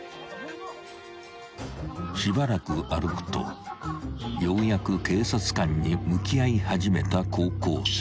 ［しばらく歩くとようやく警察官に向き合い始めた高校生］